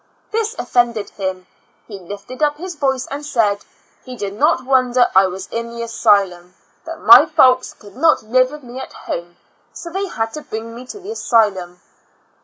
This ofiended him; he lifted up his voice and said, "He did not wonder I was in the asylum — that my folks could not live with me at home, so they had to bring me to the asylum."